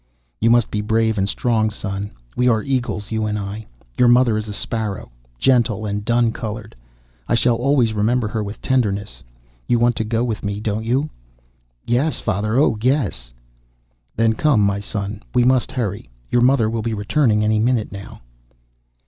"You must be brave and strong, my son. We are eagles, you and I. Your mother is a sparrow, gentle and dun colored. I shall always remember her with tenderness. You want to go with me, don't you?" "Yes, father. Oh, yes!" "Then come, my son. We must hurry. Your mother will be returning any minute now."